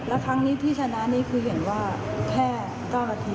แล้วครั้งนี้ที่ชนะนี้คือเห็นว่าแค่๙นาที